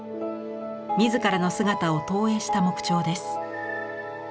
自らの姿を投影した木彫です。